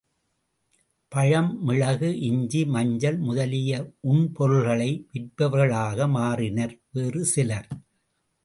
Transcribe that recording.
பழம், மிளகு, இஞ்சி, மஞ்சள், முதலிய உண் பொருள்களை விற்பவர்களாக மாறினர் வேறு சிலர்.